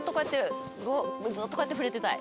ずっとこうやって触れてたい。